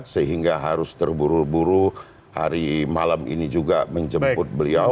sehingga harus terburu buru hari malam ini juga menjemput beliau